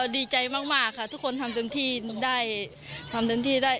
ดีใจมากค่ะทุกคนทำเต็มที่ได้